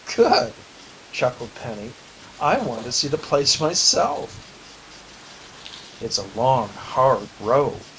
"Good!" chuckled Penny. "I want to see the place myself." "It's a long, hard row.